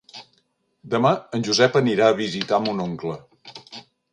Demà en Josep anirà a visitar mon oncle.